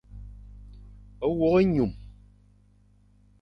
Wôkh ényum.